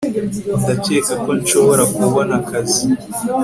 Ndakeka ko nshobora kubona akazi